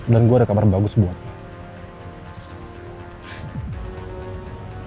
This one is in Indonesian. dan gue ada kabar bagus buat lo